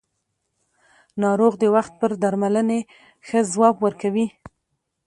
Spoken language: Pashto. ناروغ د وخت پر درملنې ښه ځواب ورکوي